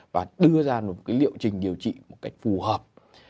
và đưa ra một cái liệu trình điều trị một cách phù hợp